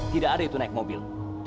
tidak ada itu naik mobil